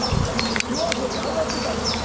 ＹＯＡＳＯＢＩ挙がってたんですよ。